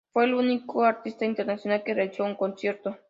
Fue el único artista internacional que realizó un concierto.